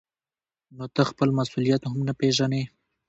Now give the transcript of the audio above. نو ته خپل مسؤلیت هم نه پېژنې.